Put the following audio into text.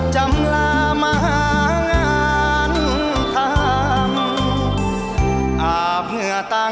ช่วยฝังดินหรือกว่า